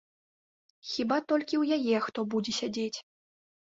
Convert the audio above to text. Хіба толькі ў яе хто будзе сядзець.